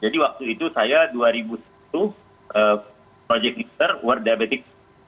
jadi waktu itu saya dua ribu satu project leader world diabetes